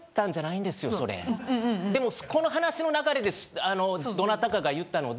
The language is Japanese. でもこの話の流れでどなたかが言ったので。